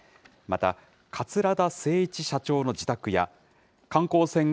また、桂田精一社長の自宅や観光船